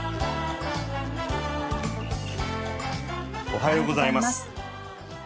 おはようございます。